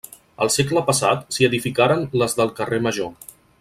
El segle passat s'hi edificaren les del carrer Major.